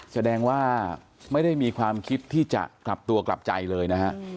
แสดงว่าไม่ได้มีความคิดที่จะกลับตัวกลับใจเลยนะฮะ